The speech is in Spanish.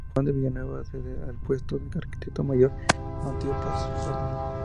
Cuando Juan de Villanueva accede al puesto de "Arquitecto Mayor", Mateo pasa sus órdenes.